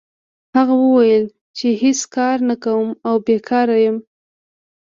هغه وویل چې هېڅ کار نه کوم او بیکاره یم.